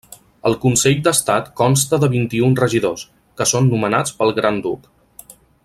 El Consell d'Estat consta de vint-i-un regidors, que són nomenats pel Gran Duc.